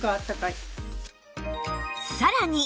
さらに！